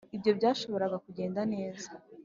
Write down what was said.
ibyo byashoboraga kugenda neza